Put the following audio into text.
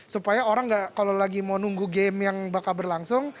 supaya orang kalau lagi mau nunggu game yang bakal berlangsung